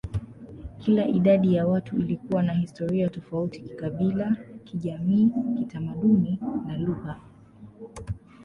Kila idadi ya watu ilikuwa na historia tofauti kikabila, kijamii, kitamaduni, na lugha.